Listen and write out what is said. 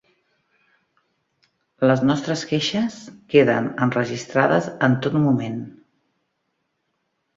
Les nostres queixes queden enregistrades en tot moment.